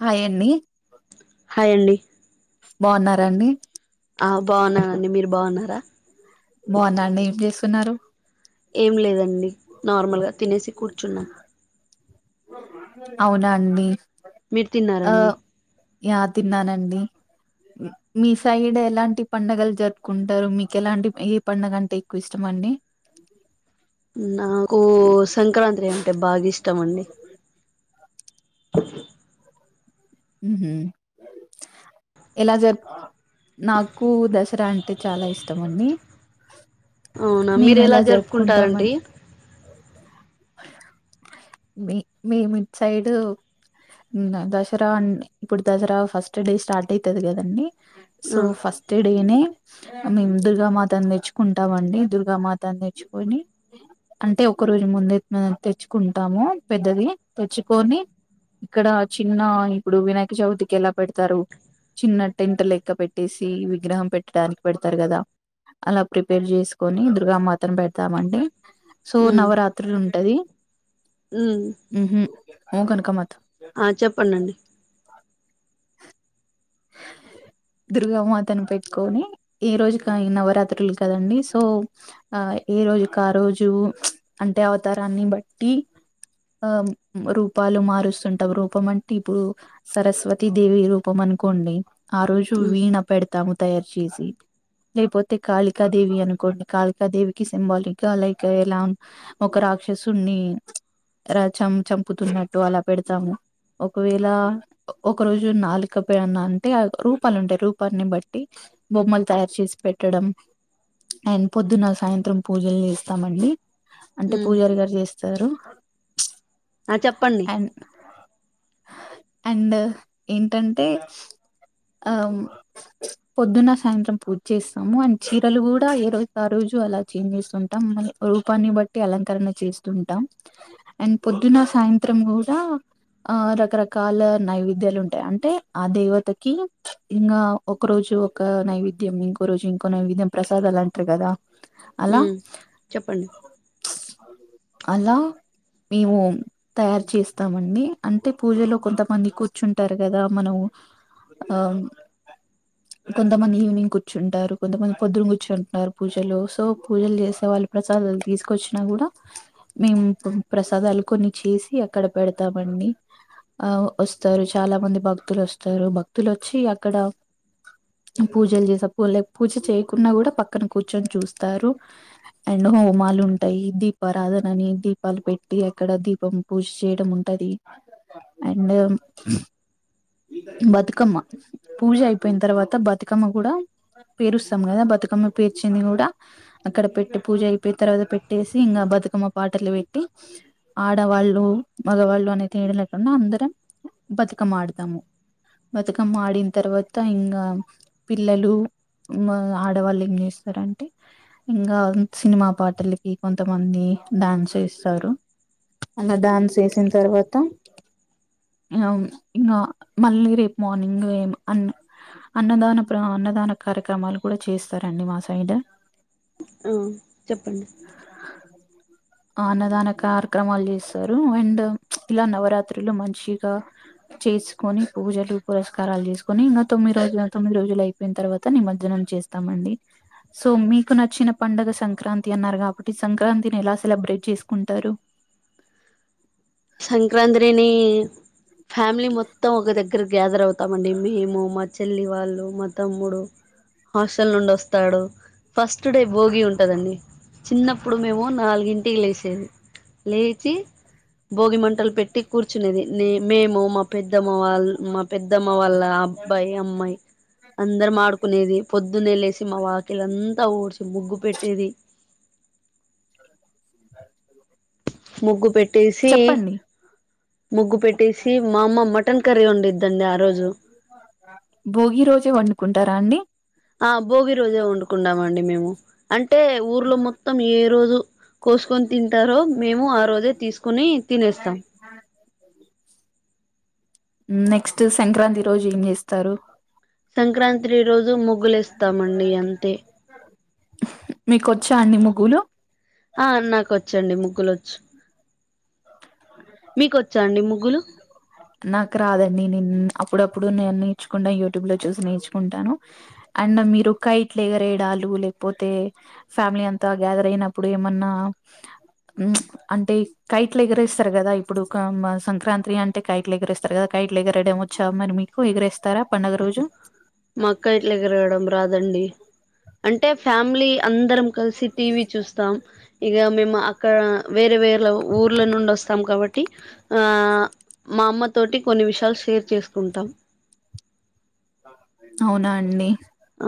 Hi అండి hi అండి బాగున్నారండి ఆ బాగునమండి మీరు బాగున్నారా బాగున్నా అండి ఏం చేస్తున్నారు న్నారు ఏం లేదండి నార్మల్గా తినేసి కూర్చున్నాం అవునా అండి మీరు ఆ తిన్నారండి యా తిన్నానండి మీ సైడ్ ఎలాంటి పండుగలు జరుపుకుంటారు మీకు ఎలాంటి ఏ పండుగ అంటే ఎక్కువ ఇష్టం అండి నాకు సంక్రాంతి అంటే బాగా ఇష్ట ఇష్టమండి హమ్ ఎలా జరుపు నాకు దసరా అంటే చాలా ఇష్టం అండి అవునా మీరు మేము ఎలా జరుపుకుంటామం జరుపుకుంటారండి మీ మీ మీడ్ సైడ్ ద దసరా ఇప్పుడు దసరా ఫస్ట్ డే స్టార్ట్ అయితది కదండి సో ఆ ఫస్ట్ డే నే మేము దుర్గామాతాని తెచ్చుకుంటాం అండి మేం దుర్గామాతని తెచ్చుకుని అంటే ఒక రోజు ముంద మం తెచ్చుకుంటాము పెద్దది తెచ్చుకొని ఇక్కడ చిన్న ఇప్పుడు వినాయక చవితికి ఎలా పెడతారు టెంట్ లెక్క పెట్టేసి విగ్రహం పెట్టడానికి పెడతారు కదా అలా ప్రిపేర్ చేసుకొని దుర్గమాత నీ పెడతామండి సో నవరాత్రిలు ఉంటు అది హ్మ్ కనకమత ఆ చెప్పడండి దుర్గామాతను పెట్టుకొని ఈ రోజుకై నవరాత్రులు కదండి సో ఆ ఏ రోజుకి ఆ రోజు అంటే అతరాన్ని బట్టి ఆ రూపాలు మారుస్తుంటాం రూపం అంటే ఇప్పుడు సరస్వతీ దేవి రూపం అను ఆ రోజు ఉమ్ వీణ పెడతాము తయారు చేసి ఇక పోతే కాలిక దేవి అనుకోండి కాలిక దేవి కి సింబాలిక్ గ ఒక రాక్షసుడ్ని చ చంపుతున్నట్టు ఆలా పెడతాను ఒక వేళ ఒక రోజు నాలిక అంటే రూపాలు ఉంటాయి రూపాన్ని బట్టి బొమ్మలు తయారు చేసి పెట్టడం అండ్ పొద్దున సాయంత్రం పూజలు చేస్తామండి అంటే ఉమ్ పూజారి గారు చేస్ స్తరు ఆ చెప్పండి అండ్ ఏంటం అంటే ఆ పొద్దున్న సాయంత్రం పూజ చేస్తాము అండ్ చీరలు కూడా ఏ రోజు ఆ రోజు అలా చంగేచేస్తుంటం రూపాన్ని బట్టి అలంకరణ చేస్తుంటాం అండ్ పొద్దున సాయంత్రం కూడా ఆ రకరకాల నైవేద్యాలు ఉంటాయి అంటే ఆ దేవతకి ఇంకా ఒక రోజు ఒక నైవేద్యం ఇంకో రోజు ఇంకో నైవేద్యం ప్రసాదాలు అంటారు కదా అలా ఉమ్ చెప్పండి అలా మేము తయారు చేస్తామండి అంటే పూజలో కొంతమంది కూర్చుంటారు కదా మనం ఆ కొంతమంది ఈవినింగ్ కూర్చుంటారు కొంతమంది పొద్దున కూర్చుంటున్నారు పూజలో సో పూజలు చేసే వాళ్ళు ప్రసాదాలు తీసుకొచ్చినా కూడా మేము ప్రసాదాలు కొన్ని చేసి అక్కడ పెడతామండి ఆ వస్తారు చాలా మంది భక్ భక్తులు వస్తారు భక్తులు వచ్చి అక్కడ పూజలు చేసేలే పూజ చేయకుండా కూడా పక్కన కూర్చొని చూస్తారు అండ్ హోమాలు ఉంటాయి దీపారాధని దీపాలు పెట్టి అక్కడ దీపం పూజ చేయడం ఉంటది అండ్ బతుకమ్మ పూజ అయిపోయిన తర్వాత బతుకమ్మ కూడా పేరుస్తాం కదా బతుకమ్మ పేర్చింది కూడా అక్కడ పెట్టి పూజ అయిపోయిన తర్వాత పెట్టేసి ఇంగ బతుకమ్మ పాటలు పెట్టి ఆడవాళ్ళు మగవాళ్ళు అనేతేడ లేకుండా అందరం బతుకమ్మ ఆడు తాము బతుకమ్మ ఆడిన తర్వాత ఇంగ పిల్లలు ఇంగ ఆడవాళ్ళు ఏం చేస్తారంటే ఇంగ సినిమా పాటలకి కొంతమంది డాన్స్ వెస్తారు అలా డాన్స్ వేసిన తర్వాత ఆ ఇంగ మళ్ళీ రేపు మార్నింగ్ ఏం అ అన్నదాన ప్ర అన్నదాన కార్యక్రమాలు కూడా చేస్తారండి మా సైడ్ హ్మ్ చెప్పండి అన్నదాన కార్యక్రమాలు చేస్తారు అండ్ ఇలా నవరాత్రులు మంచిగా చేసుకొని పూజలు పురస్కారాలు చేసుకొని ఇంగ తొమ్మిది రోజులు తొమ్మిది రోజులు అయిపోయిన తర్వాత నిమజ్జనం చేస్తామండి సో మీకు నచ్చిన పండుగ సంక్రాంతి అన్నారు కాబట్టి సంక్రాంతిని ఎలా సెలబ్రేట్ చేసుకుంటారు సంక్రాంతిని ని ఫ్యామిలీ మొత్తం ఒక దగ్గ ఇక్కడ గ్యాదర్ అవుతామండి మేము మా చెల్లి వాళ్ళు మా తమ్ముడు హాస్టల్ నుండి వస్తాడు ఫస్ట్ డే భోగి ఉంటదండి చిన్నప్పుడు మేము నాలుగింటికి లేసేది లేచి భోగిమం బట్టలు పెట్టి కూర్చునేది నేన్ మేము మా పెద్దమ్మ వాళ్ళ మా పెద్దమ్మ వాళ్ళ అబ్బాయి అమ్మాయి అందరం ఆడుకునేది పొద్దున్నె లేసి మా వాకిలంతా ఊడ్చి ముగ్గు పెట్టేది ముగ్గు పెట్టేసి చెప్పండి ముగ్గు పెట్టేసి మా అమ్మ మటన్ కర్రీ వండిద్దండి ఆ రోజు ఉంటరా అండి ఆ భోగి రోజే వండుకుంటం అండి మేము అంటే ఊర్లో మొత్తం ఈ రోజు కోసుకొని తింటారో మేము ఆ రోజే తీసుకొని తినేస్తాం నెక్స్ట్ సంక్రాంతి రోజు ఏం చేస్తారు సంక్రాంతి డే రోజు ముగ్ మీకొచ్చా అండి ముగ్గులు ఆ నాకు వచ్చండి ముగ్గులు వచ్చు మీకొచ్చాండి ముగ్గులు నాకు రాదండి నేను అప్పుడప్పుడు నేను నేర్చుకుంట యూట్యూబ్ లో చూసి నేర్చుకుంటాను అండ్ మీరు కైట్లు ఎగరేడాలు లేకపోతే ఫ్యామిలీ అంతా గ్యాదర్ అయినప్పుడు ఏమన్నా అంటే కైట్లు ఎగరేస్తారు కదా ఇప్పుడు సంక్రాంతి అంటే కైట్ ఎగిరే స్తారు కదా కైట్లు ఏగరెయడం వచ్చా మరి మీకు ఏగరెస్ తారా పండగ రోజు దండి అంటే ఫ్యామిలీ అందరం కలిసి టీవీ చూస్తాం ఇగ మేము అక్కడ వేరే వేరే ఊర్ల నుండి వస్తాం కాబట్టి మా అమ్మ తోటి కొన్ని విషయాలు షేర్ చేసుకుంటా అవునా అండి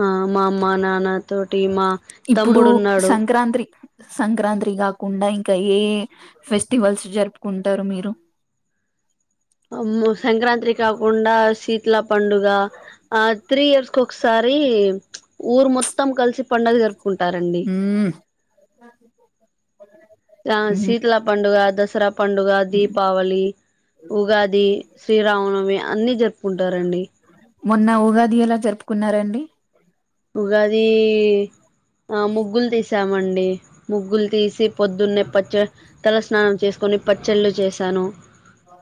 ఆ మా అమ్మ నాన్న తోటి మా ఇప్పుడు తమ్ముడు ఉన్నాడు సంక్రాంతి సంక్రాంతి కాకుండా ఇంకా ఏ ఏ ఫెస్టివల్స్ జరుపుకుంటారు మీరు అ సంక్రాంతి కాకుండా సి లా పండుగ ఆ త్రీ ఇయర్స్ ఒకసారి ఊరు మొత్తం కలిసి పండగ జరుపు కుంటారండి ఆ శీతల పండుగ దసరా పండుగ మ్మ్. దీపావళి ఉగాది శ్రీరామనవమి అన్ని జరుపుకుంటారండి మొన్న ఉగాది ఎలా జరుపుకున్నారండి ఉగాది ముగ్గుల్ తీసామండి ముగ్గులు తీసి పొద్దున్నే పచ్చ తల స్నానం చేసుకొని పచ్చళ్ళు చేశాను ఆ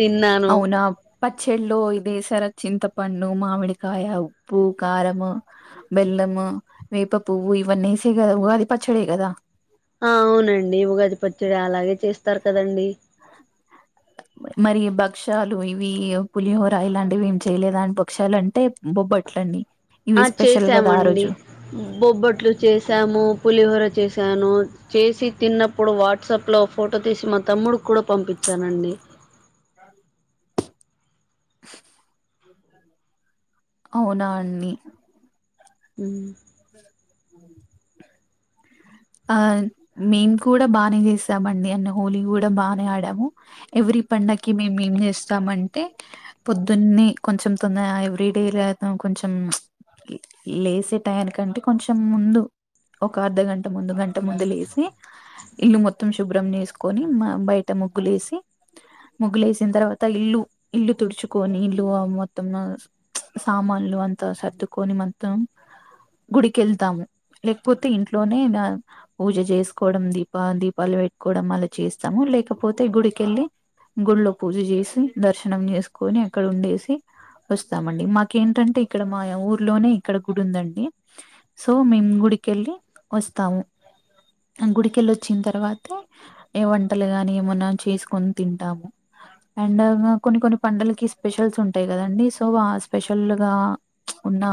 తిన్నాను అవునా పచ్చడిల్లో ఇదీ వేస్ తర చింతపండు మామిడికాయ ఉప్పు కారంము బెల్లము వేప పువ్వు ఇవన్నీ వేసే కదా ఉగాది పచ్చడి కదా ఆ అవునండి ఉగాది పచ్చడి అలాగే చేస్తారు కదండీ మరి భక్షాలు ఇవి పులిహోర ఇలాంటివి ఏమి చేయలేదంటి భక్షాలుంటే బొబ్బట్ల అండి ఆ చేసామండి బొబ్బట్లు చేసాము పులిహోర చేసాము చేశాను చేసి తిన్నప్పుడు వాట్సప్ లో ఫోటో తీసి మా తమ్ముడు కూడా పంపించానండి అవునా అండి మ్మ్ ఆ మేము కూడా బానే చేసామండి అంటే హోలీ కూడా బానే ఆడాము ఎవ్రీ పండగకి మేము ఏం చేస్తామంటే పొద్దున్న కొంచెం తొంద ఎవ్రీడే కొంచెం లేసే టయానికంటే కొంచెం ముందు ఒక అర్ధ గంట ముందు గంట ముందు లేేసి ఇల్లు మొత్తం శుభ్రం చేసుకొని బయట ముగ్గులేసి ముగ్గులేసిన తర్వాత ఇల్లు ఇల్లు తుడుచుకొని ఇల్లు మొత్తం సామాన్లు అంతా సర్దుకొని మొత్తం గుడికెళ్తాము లేకపోతే ఇంట్లో నే నపూజ చేసుకోవడం దీప దీపాలు పెట్టుకోవడం అలా చేస్తాము లేకపోతే గుడికెళ్ళి గుడిలో పూజ చేసి దర్శనం చేసుకొని అక్కడ ఉండేసి వస్తామండి మాకేంటంటే ఇక్కడ మా ఊర్లోనే ఇక్కడ గుడి ఉందండి సో మేము గుడికెళ్ళి వస్తాము గుడికెళ్ళి వచ్చిన తర్వాత ఏ వంటలు కానీ ఏమన్నా చేసుకొని తింటాము అండ్ కొన్ని కొన్ని పండలకి స్పెషల్స్ ఉంటాయి కదండి సో ఆ స్పెషల్గా ఉన్న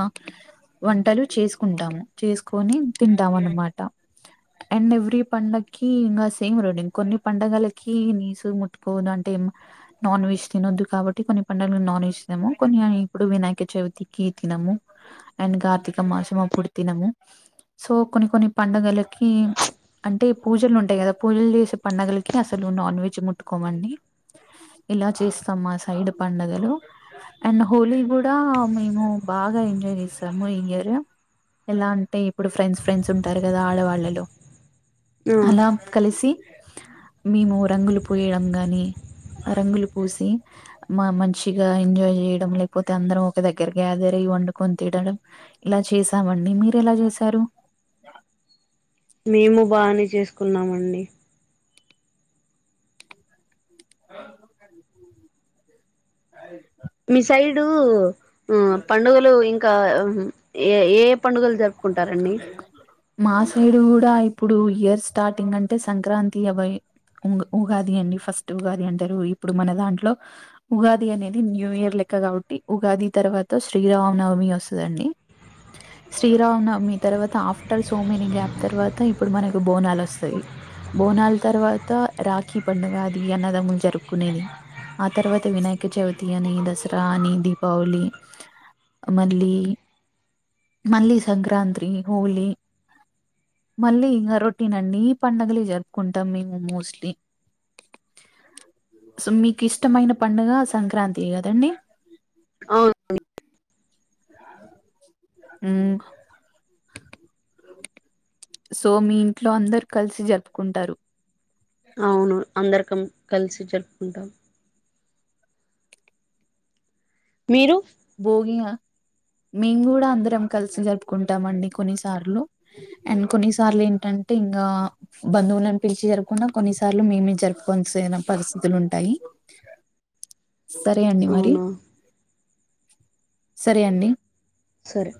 వంటలు చేసుకుంటాము చేసుకని తిన్ తింటాం అన్నమాట అండ్ ఎవ్రీ పండక్కి ఇంకా సేమ్ రొటీన్ కొన్ని పండగలకి నీసు ముట్టుకోవద్దు అంటే నాన్ వెజ్ తినొద్దు కాబట్టి కొన్ని పండుగలకి నాన్ వెజ్ తినము కొన్ని ఇప్పుడు వినాయక చవితికి తినము అండ్ కార్తీక మాసం అప్పుడు తినము సో కొన్ని కొన్ని పండగలకి ప్చ్ అంటే పూజలు ఉంటాయి కదా పూజలు చేసే పండుగలకి అసలు నాన్ వెజ్ ముట్టుకోమండి ఇలా చేస్తాము మా సైడ్ పండుగలు అండ్ హోలీ కూడా మేము బాగా ఎంజాయ్ చేసాము ఈ ఇయర్ ఎలా అంటే ఇప్పుడు ఫ్రెండ్స్ ఫ్రెండ్స్ ఉంటారు కదా ఆడవాళ్ళలో ఆ అలా కలిసి మేము రంగులు పూయడం గాని రంగులు పూసి మా మంచిగా ఎంజాయ్ చేయడం లేకపోతే అందరం ఒక దగ్గర గేదర్ అయి వండుకొని తినడం ఇలా చేసామండి మీరెలా చేస తరు మేము బానే చేసుకున్నామండి మీ సైడు హ్మ్ పండుగలు ఇంకా ఏ ఏ పండుగలు జరుపుకుంటారండి మా సైడు కూడా ఇప్పుడు ఇయర్ స్టార్టింగ్ అంటే సంక్రాంతి, అ ఉగాది అండి ఫస్ట్ ఉగాది అంటారు, ఇప్పుడు మన దాంట్లో ఉగాది అనేది న్యూ ఇయర్ లెక్క కాబట్టి, ఉగాది తర్వాత శ్రీరామనవమి వస్తుందండి, శ్రీరామనవమి తర్వాత ఆఫ్ర్ అర్ సోమిని గ్యాప్ తర్వాత ఇప్పుడు మనకు బోనాలు వస్తాయి, బోనాల తర్వాత రాఖీ పండుగ అది అన్నదమ్ములు జరుపుకునేది, ఆ తర్వాత వినాయక చవితి అని దసరా అని దీపావళి, మళ్ళీ మళ్ళీ సంక్రాంత్రి హోలీ మళ్ళీ ఇంకా రొటీన్ అన్ని పండుగలు జరుపుకుంటాం మేము మోస్ట్లీ, సో మీకు ఇష్టమైన పండుగ సంక్రాంతి కదండి అవును మ్ సో మీ ఇంట్లో అందరు కలిసి జరుపుకుంటారు అవును అందరికం కలిసి జరుపుకుంటాం మీరు భోగి మేము కూడా అందరం కలిసి జరుపుకుంటామ అండి కొన్నిసార్లు, అండ్ కొన్నిసార్లు ఏంటంటే ఇంకా బంధువులను పిలిచి జరుపుకుండా కొన్నిసార్లు మేమే జరుపుకోవాల్సిన పరిస్థితులు ఉంటాయి. సరే అండి మరి అవునా సరే అండి సరే